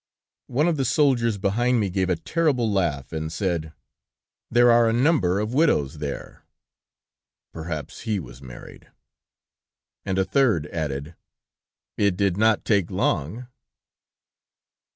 "One of the soldiers behind me gave a terrible laugh, and said: 'There are a number of widows there!'" "Perhaps he was married. And a third added: 'It did not take long!'"